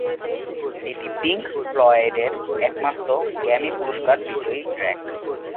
এটি পিংক ফ্লয়েডের একমাত্র গ্র্যামি পুরস্কার বিজয়ী ট্র্যাক।